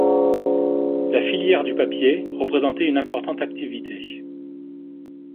La filièere du papier représentait une importante activité.